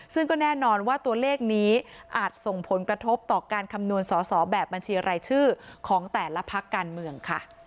ซึ่งก็แน่นอนว่าตัวเลขนี้อาจส่งผลกระทบต่อการคำนวณสอสอแบบบัญชีรายชื่อของแต่ละพักการเมืองค่ะ